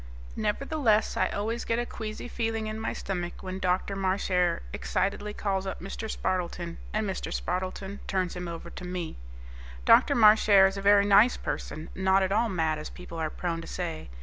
Nevertheless, I always get a queasy feeling in my stomach when Dr. Marchare excitedly calls up Mr. Spardleton, and Mr. Spardleton turns him over to me. Dr. Marchare is a very nice person, not at all mad as people are prone to say.